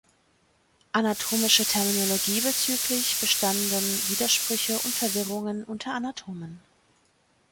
Anatomische Terminologie bezüglich bestanden Widersprüche und Verwirrungen unter Anatomen.